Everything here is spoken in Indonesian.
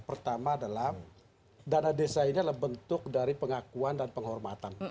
pertama adalah dana desa ini adalah bentuk dari pengakuan dan penghormatan